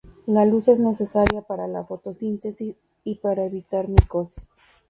La luz es necesaria para la fotosíntesis y para evitar micosis.